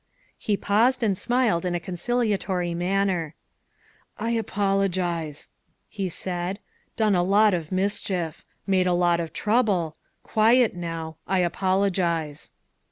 He paused and smiled in a conciliatory manner. " I apologize," he said. " Done a lot of mischief. Made a lot of trouble. Quiet now I apologize."